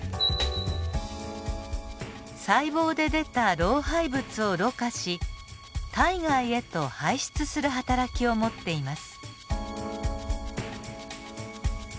細胞で出た老廃物をろ過し体外へと排出するはたらきを持っています。